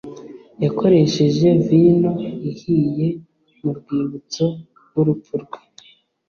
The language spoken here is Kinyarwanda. yakoresheje vino ihiye mu rwibutso rw urupfu rwe